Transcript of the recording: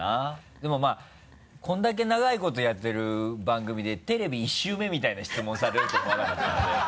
でもまぁこれだけ長いことやってる番組でテレビ１週目みたいな質問されると思わなかったので。